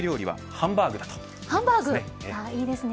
ハンバーグ、いいですね。